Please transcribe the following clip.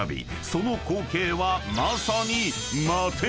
その光景はまさに］